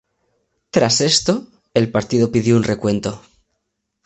Tras esto, el partido pidió un recuento.